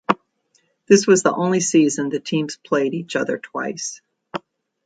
This was the only season the teams played each other twice.